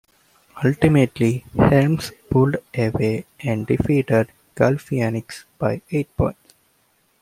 Ultimately, Helms pulled away and defeated Galifianakis by eight points.